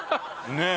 ねえ。